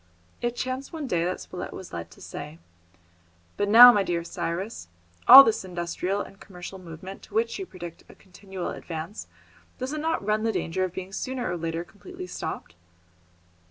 It chanced one day that Spilett was led to say, "But now, my dear Cyrus, all this industrial and commercial movement to which you predict a continual advance, does it not run the danger of being sooner or later completely stopped?"